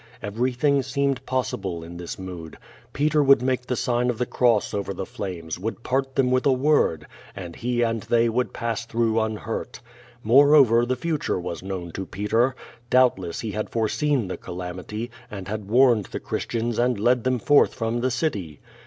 Everything seemed possible in this mood. Peter would make the sign of the cross over the flames, would part them by a word, and he and they would pass through unhurt. Moreover, the future was known to Peter. Doubtless he had foreseen the calamity, and had warned the Christians and led them forth from the city.